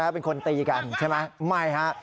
เป็นคนตีกันใช่ไหมไม่ฮะ